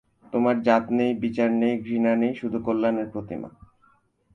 তোমার জাত নেই, বিচার নেই, ঘৃণা নেই–শুধু তুমি কল্যাণের প্রতিমা।